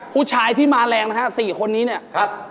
ผู้ชายที่มาแรงเถอะครับสี่คนนี้นี่